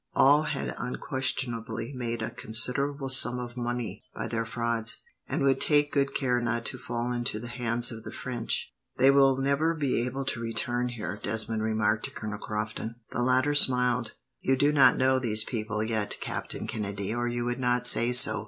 All had unquestionably made a considerable sum of money by their frauds, and would take good care not to fall into the hands of the French. "They will never be able to return here," Desmond remarked to Colonel Crofton. The latter smiled. "You do not know these people yet, Captain Kennedy, or you would not say so.